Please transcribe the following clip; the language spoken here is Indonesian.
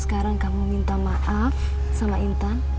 sekarang kamu minta maaf sama intan